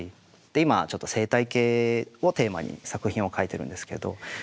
今ちょっと生態系をテーマに作品を描いてるんですけど。